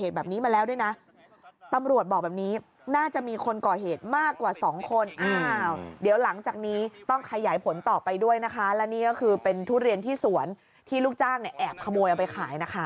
แล้วหลังจากนี้ต้องขยายผลต่อไปด้วยนะคะและนี่ก็คือเป็นทุเรียนที่สวนที่ลูกจ้างเนี่ยแอบขโมยเอาไปขายนะคะ